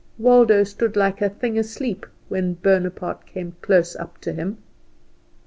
Waldo stood like a thing asleep when Bonaparte came close up to him.